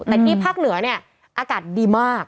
แต่ที่ภาคเหนือเนี่ยอากาศดีมาก